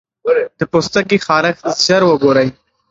د پوستکي خارښت ژر وګورئ.